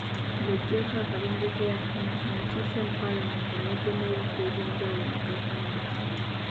Nga oggyeeko akabenje ke yafuna, omukiise mu paalamenti abadde n'ebifo ebyenjawulo mu gavumenti.